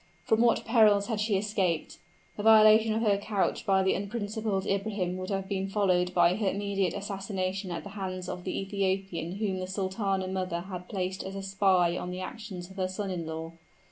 From what perils had she escaped! The violation of her couch by the unprincipled Ibrahim would have been followed by her immediate assassination at the hands of the Ethiopian whom the sultana mother had placed as a spy on the actions of her son in law.